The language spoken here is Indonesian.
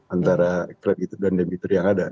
antara kreditur dan debitur yang ada